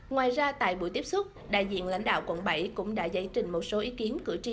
ngoài ra tại buổi tiếp xúc đại diện lãnh đạo quận bảy cũng đã giải trình một số ý kiến cử tri